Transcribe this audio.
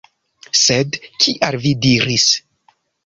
Sed kial vi diris?